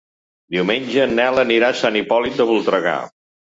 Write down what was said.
Diumenge en Nel anirà a Sant Hipòlit de Voltregà.